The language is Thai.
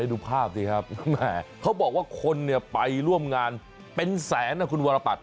ดูภาพสิครับเขาบอกว่าคนไปร่วมงานเป็นแสนนะคุณวรปัต